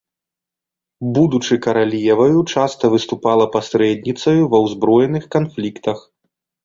Будучы каралеваю, часта выступала пасрэдніцаю ва ўзброеных канфліктах.